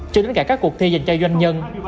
cho đến cả các cuộc thi dành cho doanh nhân